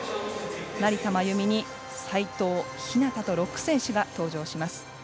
成田真由美に齋藤、日向と６選手が登場します。